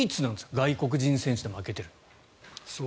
外国人選手で負けてるの。